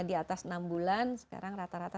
di atas enam bulan sekarang rata rata